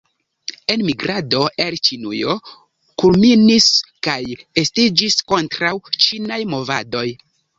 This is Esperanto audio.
Enmigrado el Ĉinujo kulminis kaj estiĝis kontraŭ-ĉinaj movadoj.